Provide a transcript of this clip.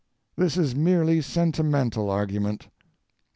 This is merely sentimental argument.